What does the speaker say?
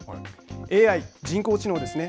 ＡＩ、人工知能ですね。